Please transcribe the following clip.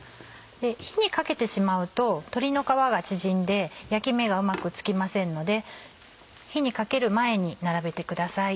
火にかけてしまうと鶏の皮が縮んで焼き目がうまくつきませんので火にかける前に並べてください。